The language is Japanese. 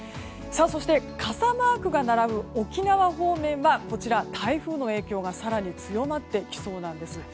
そして、傘マークが並ぶ沖縄方面は台風の影響が更に強まってきそうです。